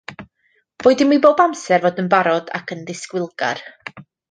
Boed i mi bob amser fod yn barod ac yn ddisgwylgar